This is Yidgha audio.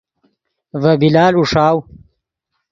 ڤے بلال اوݰاؤ